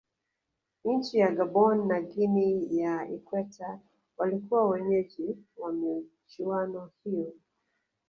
nchi ya gabon na guinea ya ikweta walikuwa wenyeji wa michuano hiyo